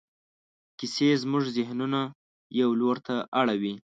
کیسې زموږ ذهنونه یوه لور ته اړوي.